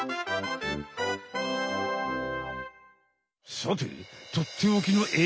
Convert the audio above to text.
さてとっておきのえい